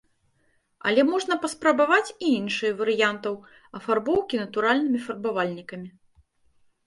Але можна паспрабаваць і іншыя варыянтаў афарбоўкі натуральнымі фарбавальнікамі.